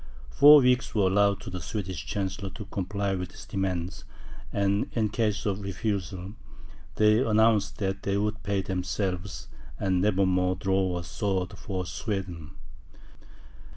Four weeks were allowed to the Swedish Chancellor to comply with these demands; and in case of refusal, they announced that they would pay themselves, and never more draw a sword for Sweden.